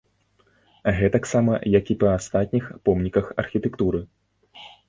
Гэтаксама як і па астатніх помніках архітэктуры.